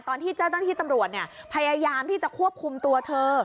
ตอนที่เจ้าหน้าที่ตำรวจพยายามที่จะควบคุมตัวเธอ